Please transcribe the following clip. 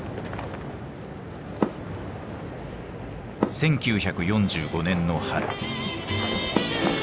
１９４５年の春。